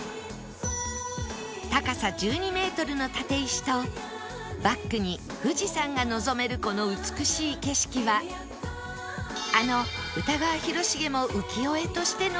高さ１２メートルの立石とバックに富士山が望めるこの美しい景色はあの歌川広重も浮世絵として残したほど